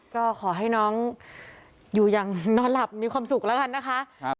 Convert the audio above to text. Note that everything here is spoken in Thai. ก็ขอให้น้องอยู่อย่างนอนหลับมีความสุขแล้วกันนะคะ